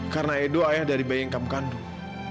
karena edo ayah dari bayi yang kamu kandung